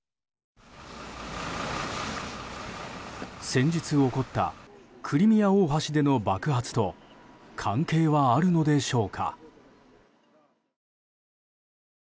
先日起こったクリミア大橋での爆発と関係はあるのでしょうか。